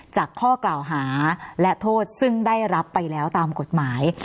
ข้อกล่าวหาและโทษซึ่งได้รับไปแล้วตามกฎหมาย